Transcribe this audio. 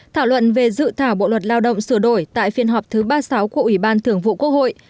thảo luận về dự thảo bộ luật lao động sửa đổi tại phiên họp thứ ba mươi sáu của ủy ban thường vụ quốc hội